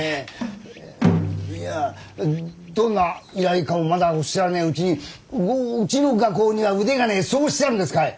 いやどんな依頼かもまだおっしゃらねえうちにうちの画工には腕がねえそうおっしゃるんですかい？